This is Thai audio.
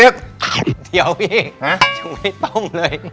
เดี๋ยวพี่ยังไม่ต้องเลย